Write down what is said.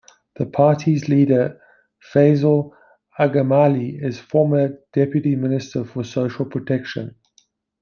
The party's leader Fazail Agamali is a former deputy minister for social protection.